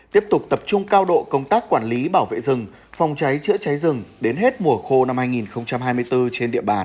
tiếp tục tập trung cao độ công tác quản lý bảo vệ rừng phòng cháy chữa cháy rừng đến hết mùa khô năm hai nghìn hai mươi bốn trên địa bàn